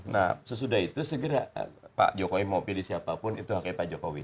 nah sesudah itu segera pak jokowi mau pilih siapapun itu haknya pak jokowi